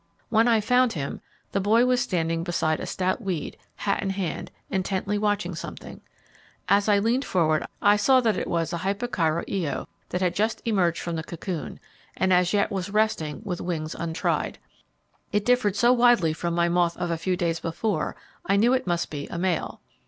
When I found him, the boy was standing beside a stout weed, hat in hand, intently watching something. As I leaned forward I saw that it was a Hyperchiria Io that just had emerged from the cocoon, and as yet was resting with wings untried. It differed so widely from my moth of a few days before, I knew it must be a male.